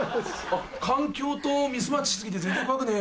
環境とミスマッチし過ぎて全然怖くねえや。